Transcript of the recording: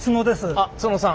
あっ津野さん。